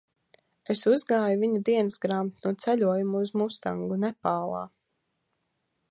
Es uzgāju viņa dienasgrāmatu no ceļojuma uz Mustangu, Nepālā.